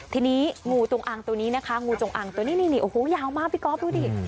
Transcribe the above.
ทีนี้งูจงอ่างตัวนี้นี่โอ้โฮยาวมากพี่ก๊อฟดูดิ